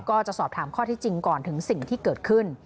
ก็จะสอบถามข้อที่จริงก่อนถึงสิ่งที่เกิดขึ้น